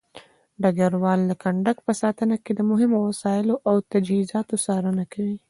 ډګروال د کندک په ساتنه کې د مهمو وسایلو او تجهيزاتو څارنه کوي.